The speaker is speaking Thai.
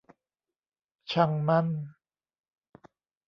ช่างมัน